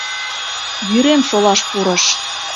Вӱрем шолаш пурыш.